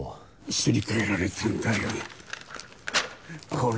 すり替えられたんだよこれ。